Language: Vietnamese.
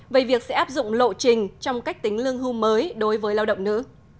về việc sẽ áp dụng lộ trình trong cách tính lương hưu mới đối với lao động nữ